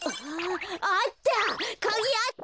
あった！